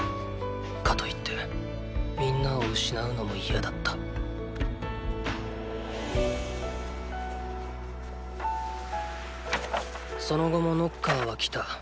かといって皆を失うのも嫌だったその後もノッカーは来た。